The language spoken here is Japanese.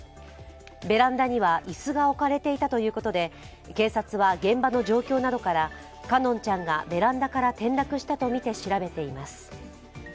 ベランダには椅子が置かれていたということで警察は現場の状況などから、奏音ちゃんがベランダから転落したとみて調べています。